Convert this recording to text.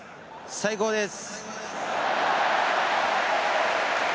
最高です！